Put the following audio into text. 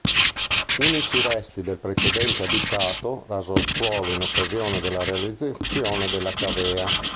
Unici resti del precedente abitato, raso al suolo in occasione della realizzazione della cavea.